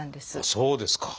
そうですか！